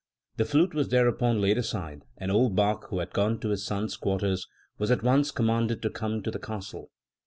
The flute was thereupon laid aside, and old Bach, who had gone to his son's quar ters, was at once commanded to come to the castle.